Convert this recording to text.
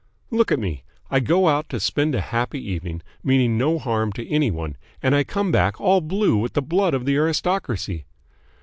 "Look at me. I go out to spend a happy evening, meaning no harm to any one, and I come back all blue with the blood of the aristocracy.